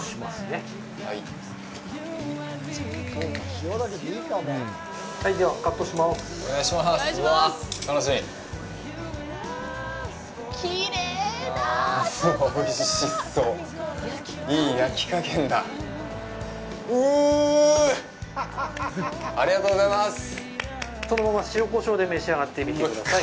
そのまま、塩、こしょうで召し上がってみてください。